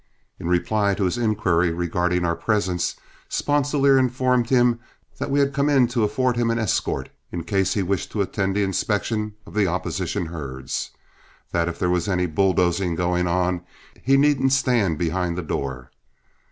In reply to his inquiry regarding our presence, Sponsilier informed him that we had come in to afford him an escort, in case he wished to attend the inspection of the opposition herds; that if there was any bulldozing going on he needn't stand behind the door.